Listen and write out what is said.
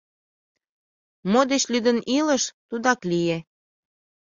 Мо деч лӱдын илыш, тудак лие.